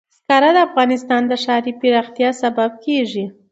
زغال د افغانستان د ښاري پراختیا سبب کېږي.